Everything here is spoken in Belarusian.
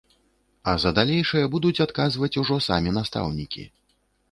А за далейшае будуць адказваць ужо самі настаўнікі.